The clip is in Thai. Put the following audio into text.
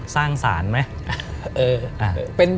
สร้างสารไหม